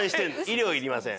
医療費いりません。